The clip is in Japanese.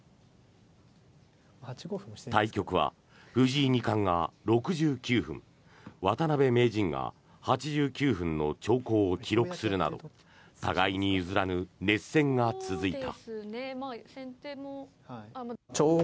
対局は藤井二冠が６９分渡辺名人が８９分の長考を記録するなど互いに譲らぬ熱戦が続いた。